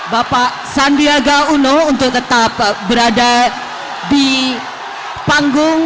bapak sandiaga uno untuk tetap berada di panggung